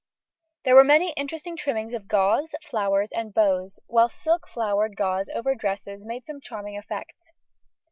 There were many interesting trimmings of gauze, flowers, and bows; while silk flowered gauze over dresses made some charming effects.